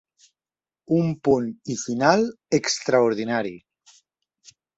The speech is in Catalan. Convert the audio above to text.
“Un punt i final extradordinari”.